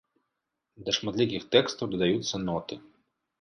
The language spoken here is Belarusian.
Да шматлікіх тэкстаў дадаюцца ноты.